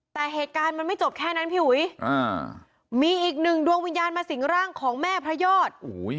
แต่เหตุการณ์มันไม่จบแค่นั้นพี่อุ๋ยมีอีกหนึ่งดวงวิญญาณมาสิงร่างของแม่พระยอด